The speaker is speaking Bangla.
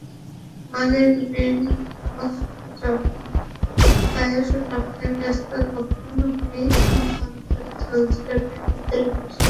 মালিক বিন আওফ যখন তায়েফ রক্ষায় ব্যস্ত তখন হুনাইন প্রান্তরে চলছিল কিয়ামতের বিভীষিকা।